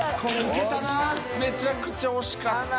めちゃくちゃ惜しかった。